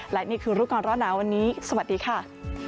และนี่คือรูปกรณ์รอดน้ำวันนี้สวัสดีค่ะ